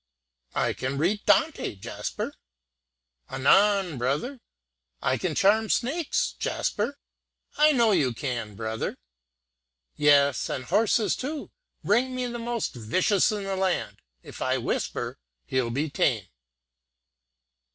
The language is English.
"I can read Dante, Jasper." "Anan, brother." "I can charm snakes, Jasper." "I know you can, brother." "Yes, and horses too; bring me the most vicious in the land, if I whisper he'll be tame."